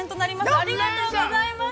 ありがとうございます。